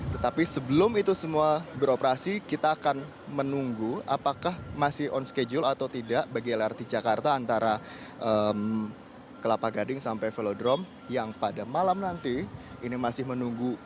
tetapi sebelum itu semua beroperasi kita akan menunggu apakah masih on schedule atau tidak bagi lrt jakarta antara kelapa gading sampai velodrome yang pada malam nanti ini masih menunggu